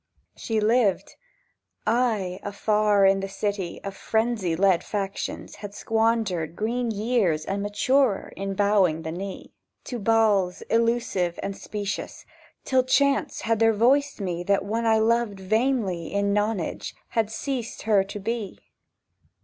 She lived ... I, afar in the city Of frenzy led factions, Had squandered green years and maturer In bowing the knee To Baals illusive and specious, Till chance had there voiced me That one I loved vainly in nonage Had ceased her to be.